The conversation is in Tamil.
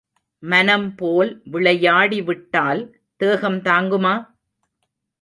மனம் போல் விளையாடிவிட்டால், தேகம் தாங்குமா?